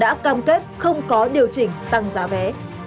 đã cam kết không có điều chỉnh tăng giá vé